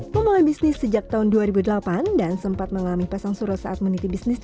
memulai bisnis sejak tahun dua ribu delapan dan sempat mengalami pesansurah saat meniti bisnisnya